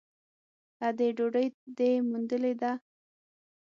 _ادې ! ډوډۍ دې موندلې ده؟